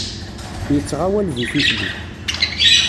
Yettɣawal di tikli.